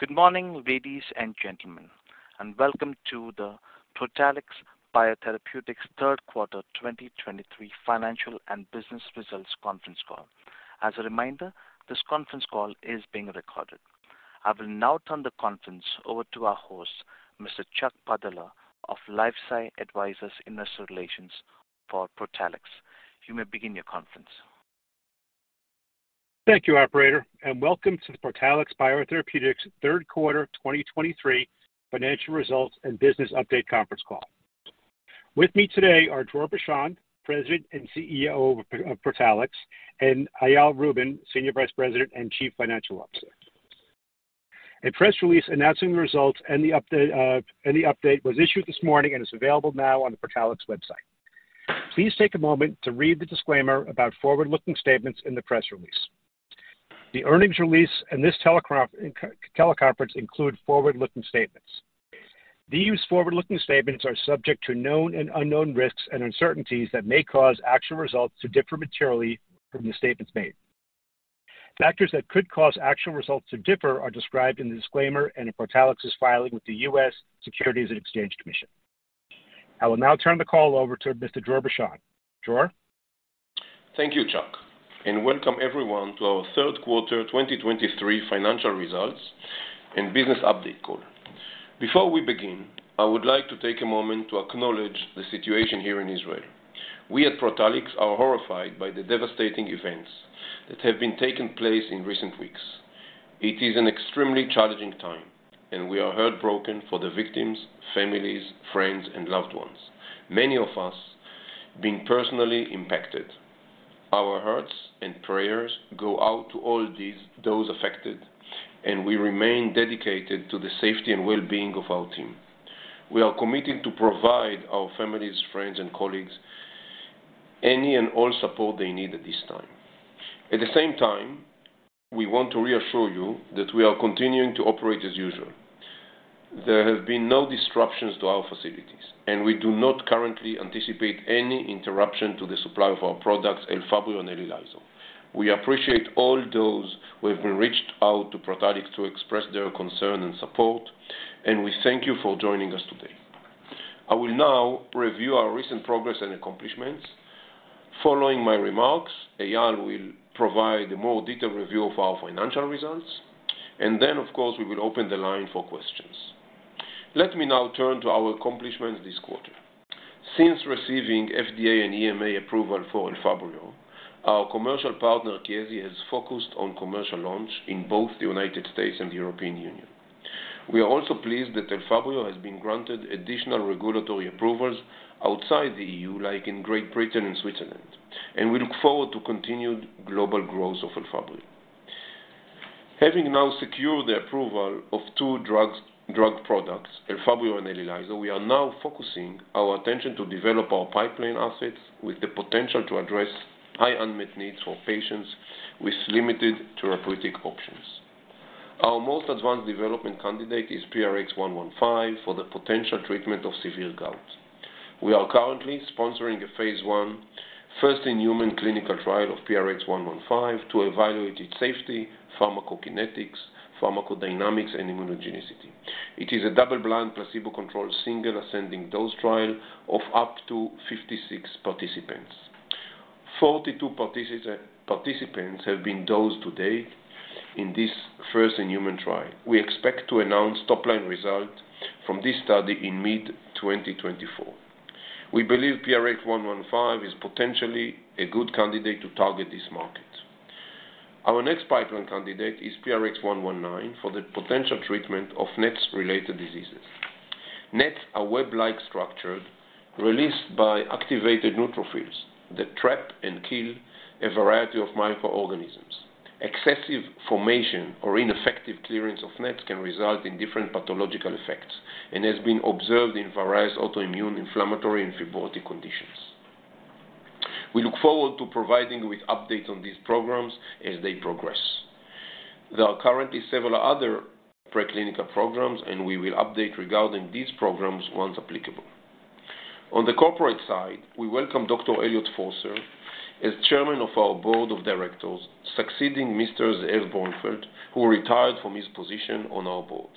Good morning, ladies and gentlemen, and welcome to the Protalix BioTherapeutics third quarter 2023 financial and business results conference call. As a reminder, this conference call is being recorded. I will now turn the conference over to our host, Mr. Chuck Padala of LifeSci Advisors Investor Relations for Protalix. You may begin your conference. Thank you, Operator, and welcome to the Protalix BioTherapeutics third quarter 2023 financial results and business update conference call. With me today are Dror Bashan, President and CEO of Protalix, and Eyal Rubin, Senior Vice President and Chief Financial Officer. A press release announcing the results and the update was issued this morning and is available now on the Protalix website. Please take a moment to read the disclaimer about forward-looking statements in the press release. The earnings release and this teleconference include forward-looking statements. These forward-looking statements are subject to known and unknown risks and uncertainties that may cause actual results to differ materially from the statements made. Factors that could cause actual results to differ are described in the disclaimer and in Protalix's filing with the U.S. Securities and Exchange Commission. I will now turn the call over to Mr. Dror Bashan. Dror? Thank you, Chuck, and welcome everyone to our third quarter 2023 financial results and business update call. Before we begin, I would like to take a moment to acknowledge the situation here in Israel. We at Protalix are horrified by the devastating events that have been taking place in recent weeks. It is an extremely challenging time, and we are heartbroken for the victims, families, friends, and loved ones, many of us being personally impacted. Our hearts and prayers go out to all those affected, and we remain dedicated to the safety and well-being of our team. We are committed to providing our families, friends, and colleagues any and all support they need at this time. At the same time, we want to reassure you that we are continuing to operate as usual. There have been no disruptions to our facilities, and we do not currently anticipate any interruption to the supply of our products, Elfabrio and Elelyso. We appreciate all those who have reached out to Protalix to express their concern and support, and we thank you for joining us today. I will now review our recent progress and accomplishments. Following my remarks, Eyal will provide a more detailed review of our financial results, and then, of course, we will open the line for questions. Let me now turn to our accomplishments this quarter. Since receiving FDA and EMA approval for Elfabrio, our commercial partner, Chiesi, has focused on commercial launch in both the United States and the European Union. We are also pleased that Elfabrio has been granted additional regulatory approvals outside the EU, like in Great Britain and Switzerland, and we look forward to continued global growth of Elfabrio. Having now secured the approval of two drugs, drug products, Elfabrio and Elelyso, we are now focusing our attention to develop our pipeline assets with the potential to address high unmet needs for patients with limited therapeutic options. Our most advanced development candidate is PRX-115 for the potential treatment of severe gout. We are currently sponsoring a phase I, first-in-human clinical trial of PRX-115 to evaluate its safety, pharmacokinetics, pharmacodynamics, and immunogenicity. It is a double-blind, placebo-controlled, single ascending dose trial of up to 56 participants. 42 participants have been dosed to date in this first-in-human trial. We expect to announce top-line results from this study in mid-2024. We believe PRX-115 is potentially a good candidate to target this market. Our next pipeline candidate is PRX-119 for the potential treatment of NETs-related diseases. NETs are web-like structured, released by activated neutrophils that trap and kill a variety of microorganisms. Excessive formation or ineffective clearance of NETs can result in different pathological effects and has been observed in various autoimmune, inflammatory, and fibrotic conditions. We look forward to providing you with updates on these programs as they progress. There are currently several other preclinical programs, and we will update regarding these programs once applicable. On the corporate side, we welcome Dr. Eliot Forster as Chairman of our Board of Directors, succeeding Mr. Ze'ev Bronfeld, who retired from his position on our board.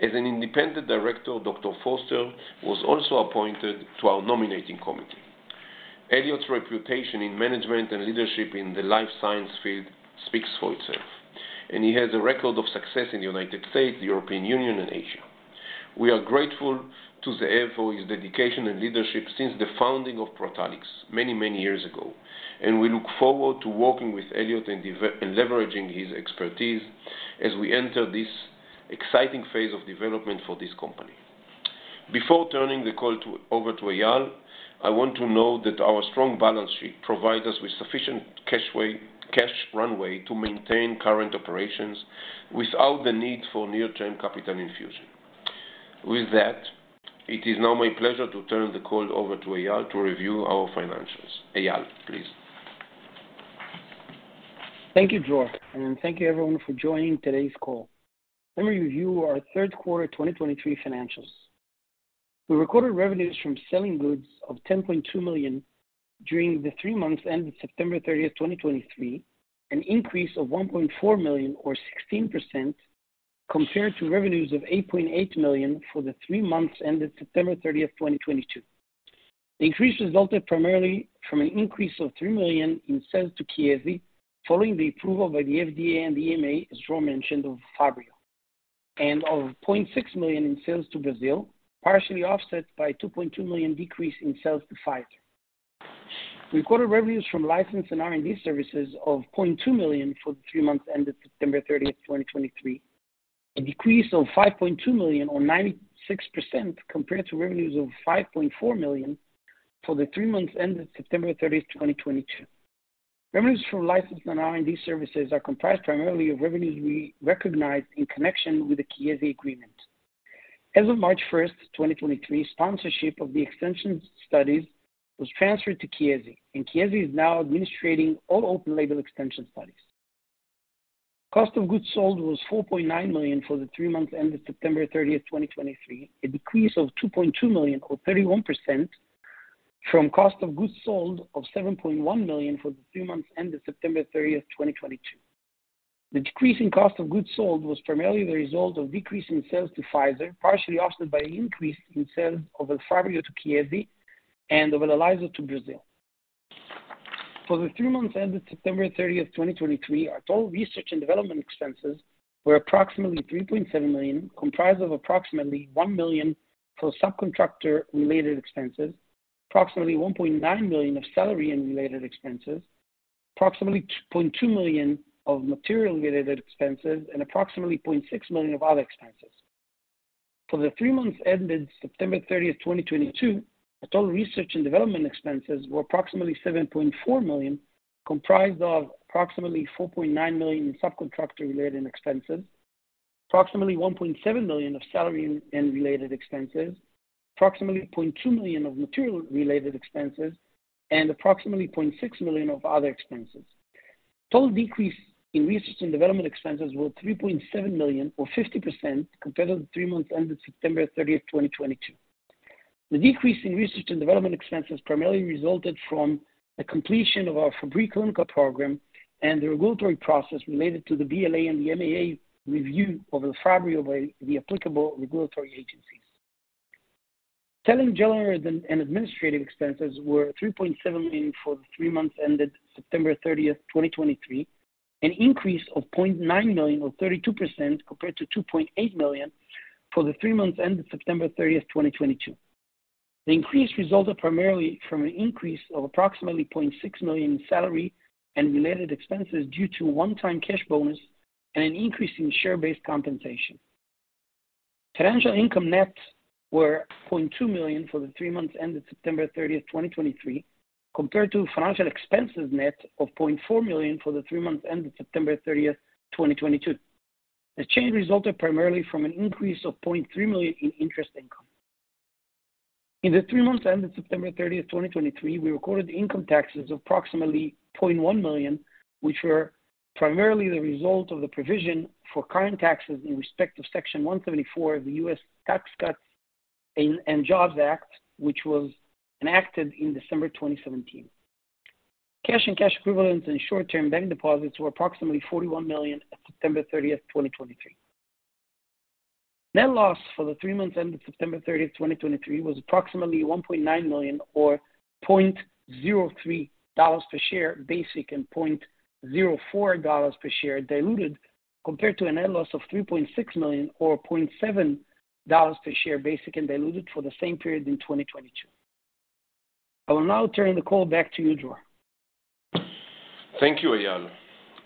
As an independent director, Dr. Forster was also appointed to our nominating committee. Eliot's reputation in management and leadership in the life science field speaks for itself, and he has a record of success in the United States, the European Union, and Asia. We are grateful to Ze'ev for his dedication and leadership since the founding of Protalix many, many years ago, and we look forward to working with Eliot and leveraging his expertise as we enter this exciting phase of development for this company. Before turning the call over to Eyal, I want to note that our strong balance sheet provides us with sufficient cash runway to maintain current operations without the need for near-term capital infusion. With that, it is now my pleasure to turn the call over to Eyal to review our financials. Eyal, please. Thank you, Dror, and thank you everyone for joining today's call. Let me review our third quarter 2023 financials. We recorded revenues from selling goods of $10.2 million during the three months ended September 30, 2023, an increase of $1.4 million, or 16%, compared to revenues of $8.8 million for the three months ended September 30, 2022. The increase resulted primarily from an increase of $3 million in sales to Chiesi, following the approval by the FDA and the EMA, as Dror mentioned, of Elfabrio, and of $0.6 million in sales to Brazil, partially offset by $2.2 million decrease in sales to Pfizer. We recorded revenues from license and R&D services of $0.2 million for the three months ended September 30, 2023, a decrease of $5.2 million or 96%, compared to revenues of $5.4 million for the three months ended September 30, 2022. Revenues from license and R&D services are comprised primarily of revenues we recognized in connection with the Chiesi agreement. As of March 1, 2023, sponsorship of the extension studies was transferred to Chiesi, and Chiesi is now administering all open-label extension studies. Cost of goods sold was $4.9 million for the three months ended September 30, 2023, a decrease of $2.2 million or 31% from cost of goods sold of $7.1 million for the three months ended September 30, 2022. The decrease in cost of goods sold was primarily the result of a decrease in sales to Pfizer, partially offset by an increase in sales of Elfabrio to Chiesi and of Elelyso to Brazil. For the three months ended September 30, 2023, our total research and development expenses were approximately $3.7 million, comprised of approximately $1 million for subcontractor-related expenses, approximately $1.9 million of salary and related expenses, approximately $0.2 million of material-related expenses, and approximately $0.6 million of other expenses. For the three months ended September 30, 2022, the total research and development expenses were approximately $7.4 million, comprised of approximately $4.9 million in subcontractor-related expenses, approximately $1.7 million of salary and related expenses, approximately $0.2 million of material-related expenses, and approximately $0.6 million of other expenses. Total decrease in research and development expenses were $3.7 million, or 50%, compared to the three months ended September 30, 2022. The decrease in research and development expenses primarily resulted from the completion of our Fabry clinical program and the regulatory process related to the BLA and the MAA review of Elfabrio by the applicable regulatory agencies. Selling, general, and administrative expenses were $3.7 million for the three months ended September 30, 2023, an increase of $0.9 million, or 32%, compared to $2.8 million for the three months ended September 30, 2022. The increase resulted primarily from an increase of approximately $0.6 million in salary and related expenses due to a one-time cash bonus and an increase in share-based compensation. Financial income, net, were $0.2 million for the three months ended September 30, 2023, compared to financial expenses, net, of $0.4 million for the three months ended September 30, 2022. The change resulted primarily from an increase of $0.3 million in interest income. In the three months ended September 30, 2023, we recorded income taxes of approximately $0.1 million, which were primarily the result of the provision for current taxes in respect of Section 174 of the U.S. Tax Cuts and Jobs Act, which was enacted in December 2017. Cash and cash equivalents in short-term bank deposits were approximately $41 million at September 30, 2023. Net loss for the three months ended September 30, 2023, was approximately $1.9 million or $0.03 per share, basic and $0.04 per share diluted, compared to a net loss of $3.6 million, or $0.7 per share, basic and diluted, for the same period in 2022. I will now turn the call back to you, Dror. Thank you, Eyal.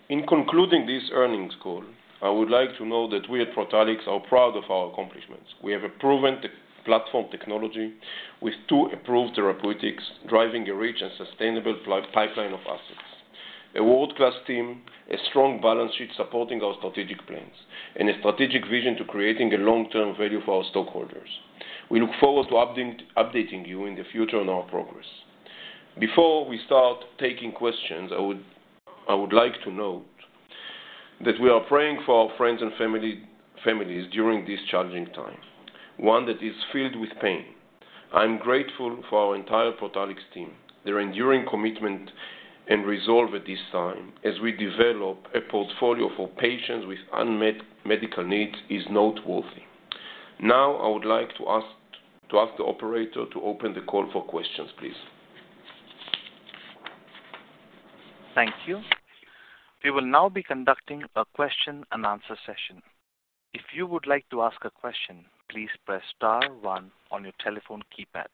In concluding this earnings call, I would like to know that we at Protalix are proud of our accomplishments. We have a proven tech platform technology with two approved therapeutics, driving a rich and sustainable pipeline of assets, a world-class team, a strong balance sheet supporting our strategic plans, and a strategic vision to creating a long-term value for our stockholders. We look forward to updating, updating you in the future on our progress. Before we start taking questions, I would, I would like to note that we are praying for our friends and family, families during this challenging time, one that is filled with pain. I'm grateful for our entire Protalix team. Their enduring commitment and resolve at this time, as we develop a portfolio for patients with unmet medical needs, is noteworthy. Now, I would like to ask the operator to open the call for questions, please. Thank you. We will now be conducting a question-and-answer session. If you would like to ask a question, please press star one on your telephone keypad.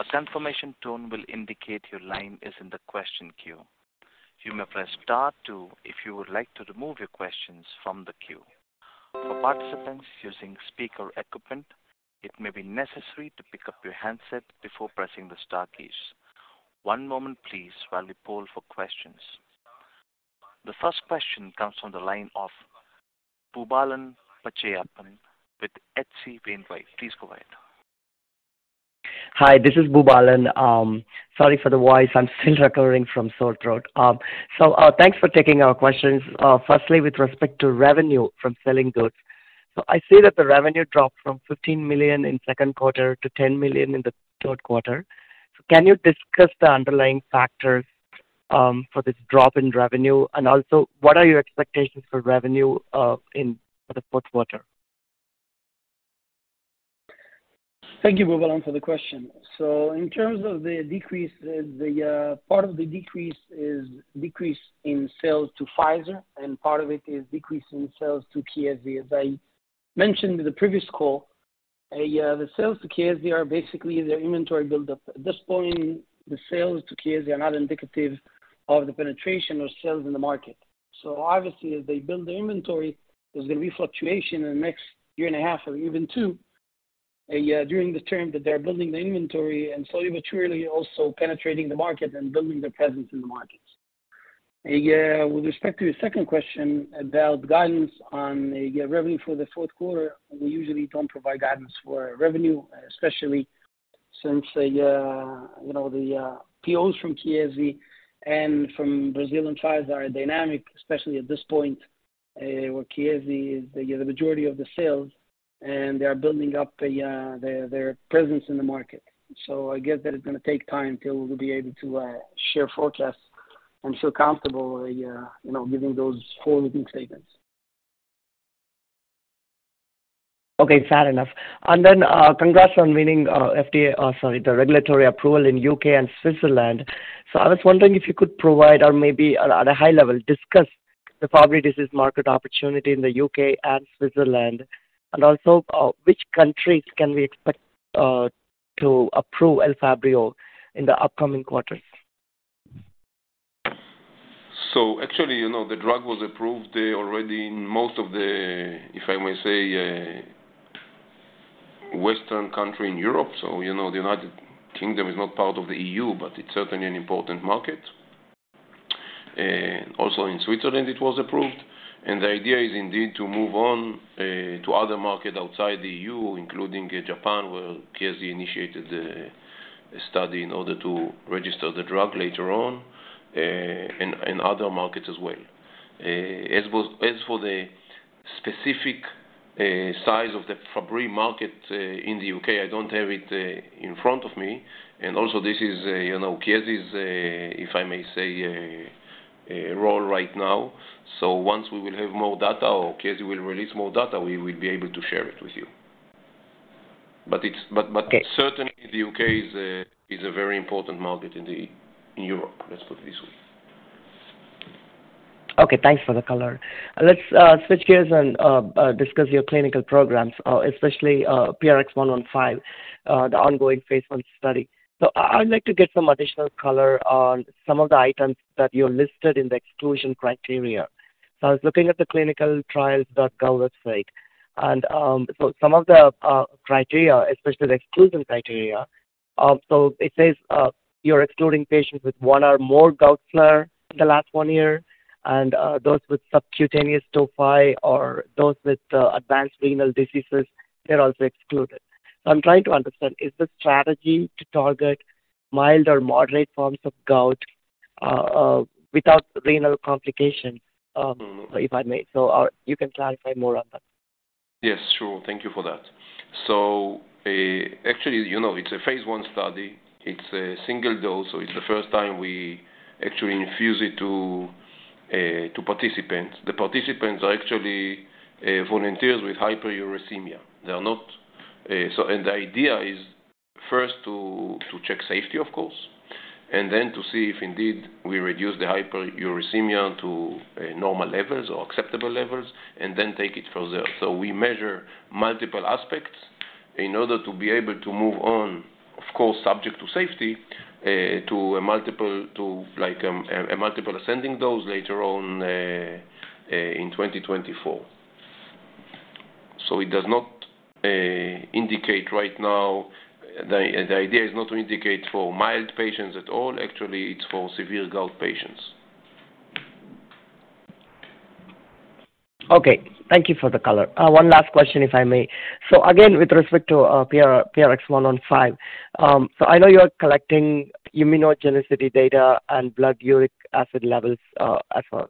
A confirmation tone will indicate your line is in the question queue. You may press star two if you would like to remove your questions from the queue. For participants using speaker equipment, it may be necessary to pick up your handset before pressing the star keys. One moment please, while we poll for questions. The first question comes from the line of Boobalan Pachaiyappan with H.C. Wainwright. Please go ahead. Hi, this is Boobalan. Sorry for the voice. I'm still recovering from a sore throat. Thanks for taking our questions. Firstly, with respect to revenue from selling goods, I see that the revenue dropped from $15 million in second quarter to $10 million in the third quarter. Can you discuss the underlying factors for this drop in revenue? And also, what are your expectations for revenue in the fourth quarter? Thank you, Boobalan, for the question. So in terms of the decrease, the, part of the decrease is decrease in sales to Pfizer, and part of it is decrease in sales to Chiesi. As I mentioned in the previous call, the sales to Chiesi are basically their inventory buildup. At this point, the sales to Chiesi are not indicative of the penetration or sales in the market. So obviously, as they build their inventory, there's gonna be fluctuation in the next year and a half or even two, yeah, during the term that they're building the inventory and slowly but surely also penetrating the market and building their presence in the markets. Yeah, with respect to your second question about guidance on yeah, revenue for the fourth quarter, we usually don't provide guidance for revenue, especially since, you know, the POs from Chiesi and from Brazil and Pfizer are dynamic, especially at this point where Chiesi is the majority of the sales, and they are building up their presence in the market. So I guess that it's gonna take time till we'll be able to share forecasts and feel comfortable, you know, giving those forward-looking statements. Okay, fair enough. And then, congrats on winning, FDA. Sorry, the regulatory approval in U.K. and Switzerland. So I was wondering if you could provide, or maybe at a high level, discuss the Fabry disease market opportunity in the U.K. and Switzerland, and also, which countries can we expect to approve Elfabrio in the upcoming quarters? So actually, you know, the drug was approved already in most of the, if I may say, Western countries in Europe. So, you know, the United Kingdom is not part of the EU, but it's certainly an important market. Also in Switzerland, it was approved, and the idea is indeed to move on to other markets outside the EU, including Japan, where Chiesi initiated the study in order to register the drug later on, and other markets as well. As well as for the specific size of the Fabry market in the U.K., I don't have it in front of me, and also this is, you know, Chiesi's, if I may say, role right now. So once we will have more data or Chiesi will release more data, we will be able to share it with you. But it's. Okay. But certainly, the U.K. is a very important market in Europe. Let's put it this way. Okay, thanks for the color. Let's switch gears and discuss your clinical programs, especially PRX-115, the ongoing phase I study. So I'd like to get some additional color on some of the items that you listed in the exclusion criteria. So I was looking at the ClinicalTrials.gov website, and so some of the criteria, especially the exclusion criteria, so it says, you're excluding patients with one or more gout flare in the last one year, and those with subcutaneous tophi or those with advanced renal diseases, they're also excluded. So I'm trying to understand, is the strategy to target mild or moderate forms of gout without renal complication? If I may, so you can clarify more on that. Yes, sure. Thank you for that. So, actually, you know, it's a phase I study. It's a single dose, so it's the first time we actually infuse it to, to participants. The participants are actually, volunteers with hyperuricemia. They are not, so and the idea is first to, to check safety, of course, and then to see if indeed we reduce the hyperuricemia to, normal levels or acceptable levels, and then take it from there. So we measure multiple aspects in order to be able to move on, of course, subject to safety, to a multiple, to, like, a, a multiple ascending dose later on, in 2024. So it does not, indicate right now. The idea is not to indicate for mild patients at all. Actually, it's for severe gout patients. Okay, thank you for the color. One last question, if I may. So again, with respect to PRX-115, so I know you are collecting immunogenicity data and blood uric acid levels, as well.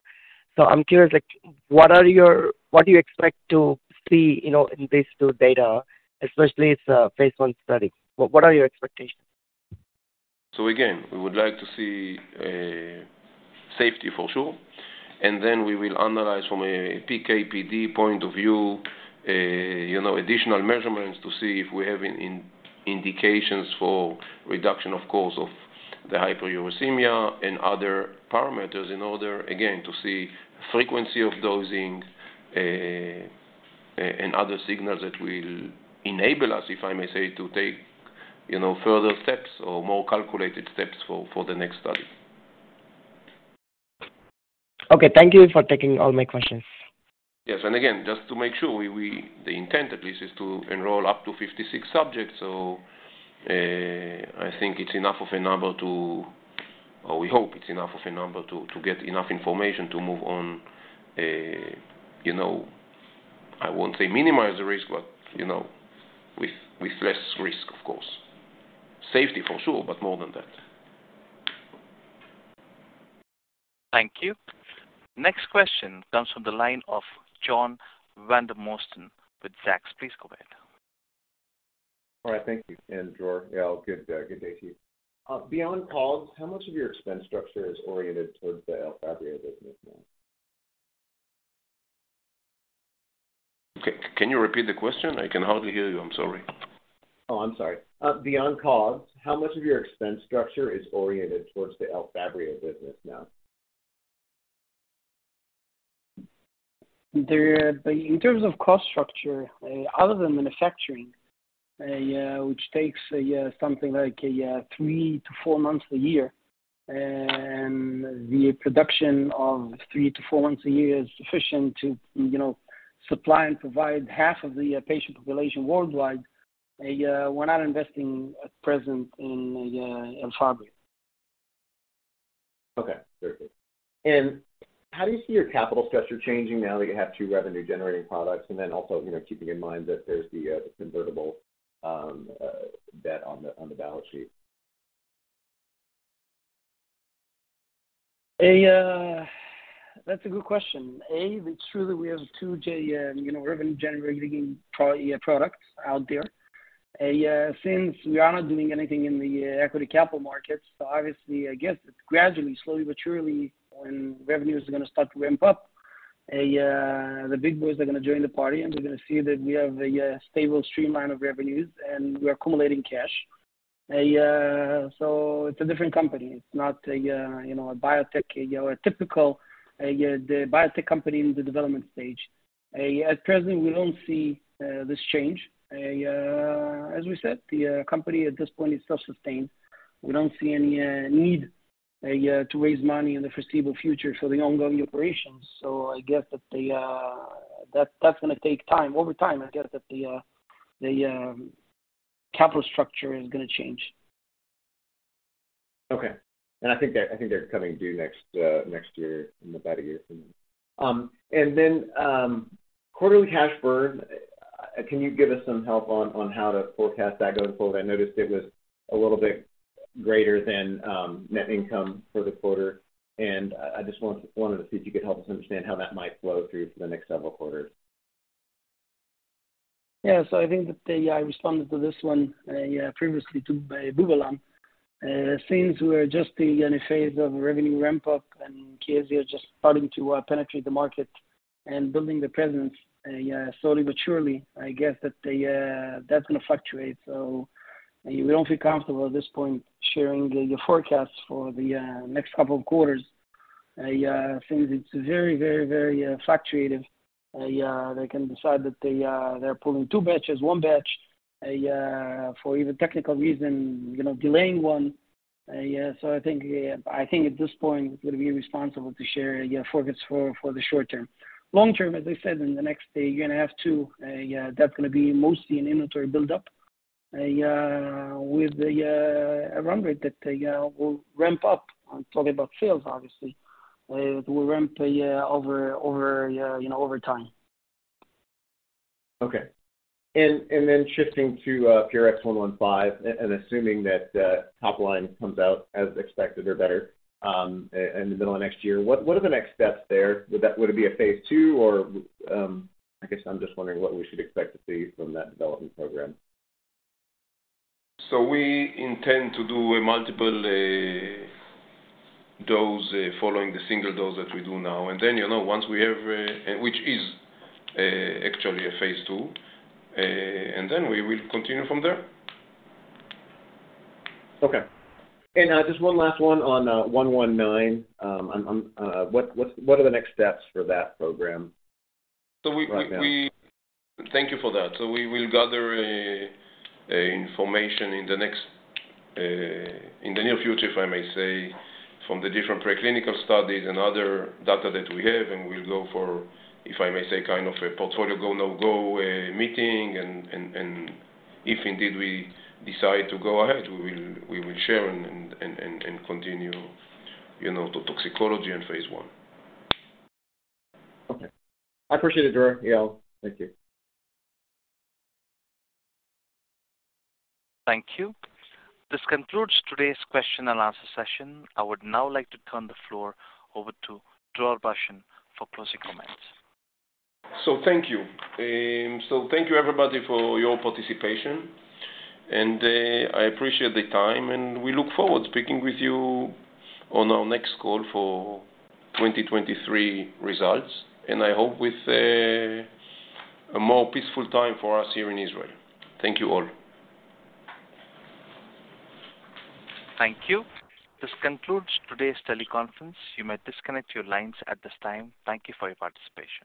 So I'm curious, like, what do you expect to see, you know, in these two data, especially it's a phase I study? What are your expectations? So again, we would like to see safety for sure, and then we will analyze from a PK/PD point of view, you know, additional measurements to see if we have indications for reduction, of course, of the hyperuricemia and other parameters in order, again, to see frequency of dosing, and other signals that will enable us, if I may say, to take, you know, further steps or more calculated steps for the next study. Okay, thank you for taking all my questions. Yes, and again, just to make sure we—the intent at least is to enroll up to 56 subjects, so I think it's enough of a number to, or we hope it's enough of a number to get enough information to move on, you know. I won't say minimize the risk, but you know, with less risk, of course. Safety, for sure, but more than that. Thank you. Next question comes from the line of John Vandermosten with Zacks. Please go ahead. All right, thank you, and Dror, Eyal, good day, good day to you. Beyond costs, how much of your expense structure is oriented towards the Fabry business now? Okay, can you repeat the question? I can hardly hear you. I'm sorry. Oh, I'm sorry. Beyond costs, how much of your expense structure is oriented towards the Fabry business now? There, in terms of cost structure, other than manufacturing, which takes something like three to four months a year, and the production of three to four months a year is sufficient to, you know, supply and provide half of the patient population worldwide. We're not investing at present in Fabry. Okay, very good. And how do you see your capital structure changing now that you have two revenue-generating products, and then also, you know, keeping in mind that there's the convertible debt on the balance sheet? That's a good question. It's true that we have two, you know, revenue-generating products out there. Since we are not doing anything in the equity capital markets, so obviously, I guess, gradually, slowly but surely, when revenues are going to start to ramp up, the big boys are going to join the party, and they're going to see that we have a stable streamline of revenues, and we're accumulating cash. So it's a different company. It's not a, you know, a biotech, or a typical, yeah, the biotech company in the development stage. At present, we don't see this change. As we said, the company at this point is self-sustained. We don't see any need to raise money in the foreseeable future for the ongoing operations. I guess that's going to take time. Over time, I guess, the capital structure is going to change. Okay. And I think they're, I think they're coming due next year, in about a year from now. And then, quarterly cash burn, can you give us some help on how to forecast that going forward? I noticed it was a little bit greater than net income for the quarter, and I just wanted to see if you could help us understand how that might flow through for the next several quarters. Yeah, so I think that I responded to this one previously to by Boobalan. Since we are just in a phase of revenue ramp-up and Kyozia just starting to penetrate the market and building the presence slowly but surely, I guess that that's going to fluctuate. So we don't feel comfortable at this point sharing the forecast for the next couple of quarters. Since it's very, very, very fluctuative, they can decide that they're pulling two batches, one batch, for even technical reason, you know, delaying one. So I think at this point, it's going to be responsible to share yeah focus for the short term. Long term, as I said, in the next, you're going to have to, that's going to be mostly an inventory build-up. With a run rate that will ramp up. I'm talking about sales, obviously. We ramp over time, you know. Okay. Then shifting to PRX-115, and assuming that the top line comes out as expected or better, in the middle of next year, what are the next steps there? Would it be a phase II, or I guess I'm just wondering what we should expect to see from that development program. So we intend to do a multiple dose following the single dose that we do now. And then, you know, once we have, which is actually a phase II, and then we will continue from there. Okay. And just one last one on one one nine. What are the next steps for that program right now? Thank you for that. So we will gather information in the next, in the near future, if I may say, from the different preclinical studies and other data that we have, and we'll go for, if I may say, kind of a portfolio Go-No-Go meeting, and if indeed we decide to go ahead, we will share and continue, you know, to toxicology and phase I. Okay. I appreciate it, Dror, Eyal. Thank you. Thank you. This concludes today's question and answer session. I would now like to turn the floor over to Dror Bashan for closing comments. So thank you. So thank you, everybody, for your participation, and I appreciate the time, and we look forward to speaking with you on our next call for 2023 results, and I hope with a more peaceful time for us here in Israel. Thank you all. Thank you. This concludes today's teleconference. You may disconnect your lines at this time. Thank you for your participation.